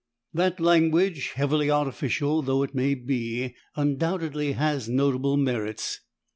That language, heavily artificial though it may be, undoubtedly has notable merits.